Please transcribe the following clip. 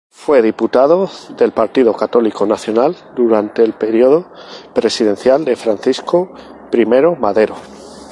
Fue diputado del Partido Católico Nacional, durante el período presidencial de Francisco I. Madero.